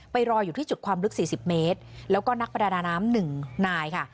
รออยู่ที่จุดความลึก๔๐เมตรแล้วก็นักประดาน้ำหนึ่งนายค่ะ